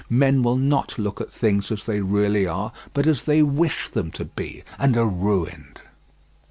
Men will not look at things as they really are, but as they wish them to be—and are ruined.